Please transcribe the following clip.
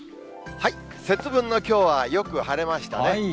節分のきょうは、よく晴れましたね。